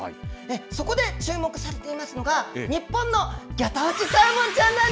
そこで注目されていますのが、日本のぎょ当地サーモンちゃん